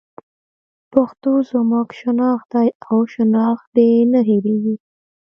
پښتو زموږ شناخت دی او شناخت دې نه هېرېږي.